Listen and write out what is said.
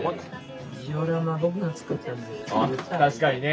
確かにね